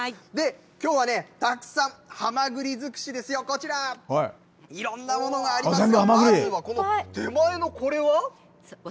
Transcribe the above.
きょうはね、たくさん、はまぐり尽くしですよ、こちら、いろんなものがありますが、まずはこの手前のこれは？